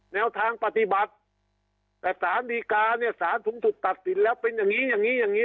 แนวทางปฏิบัติแต่สารดีกาเนี่ยสารสูงสุดตัดสินแล้วเป็นอย่างนี้อย่างนี้